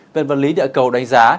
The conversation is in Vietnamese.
về vận lý địa cầu đánh giá